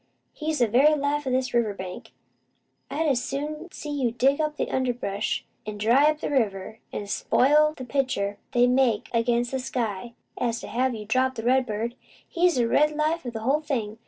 He's the very life o' this river bank. I'd as soon see you dig up the underbrush, an' dry up the river, an' spoil the picture they make against the sky, as to hev' you drop the redbird. He's the red life o' the whole thing!